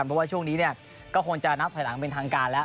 เพราะว่าช่วงนี้ก็คงจะนับถอยหลังเป็นทางการแล้ว